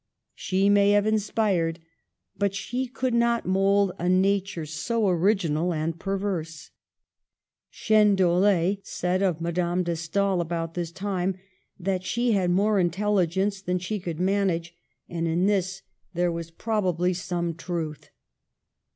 She may have inspired, but she could not mould, a nature so original and perverse. Ch£nedoll6 said of Madame de Stael about this time that she had more intelligence than she could manage, and in this there was probably Digitized by VjOOQIC 92 MADAME DE STAEL. some truth.